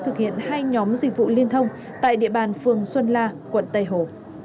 thực hiện hai nhóm dịch vụ liên thông tại địa bàn phường xuân la quận tây hồ